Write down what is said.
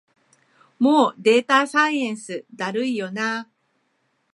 もうデータサイエンスだるいよな